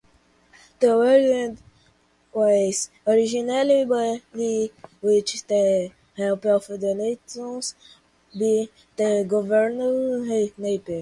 The ward was originally built with the help of donations by the Governor Napier.